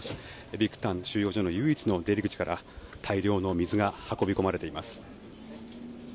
ビクタン収容所の唯一の出入り口から大量の水が運び込まれています。